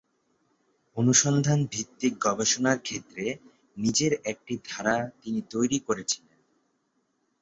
অনুসন্ধান ভিত্তিক গবেষণার ক্ষেত্রে নিজের একটি ধারা তিনি তৈরি করেছিলেন।